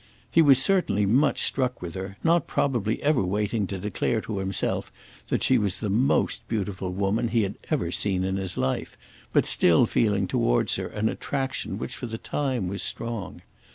He was certainly very much struck with her, not probably ever waiting to declare to himself that she was the most beautiful woman he had ever seen in his life, but still feeling towards her an attraction which for the time was strong.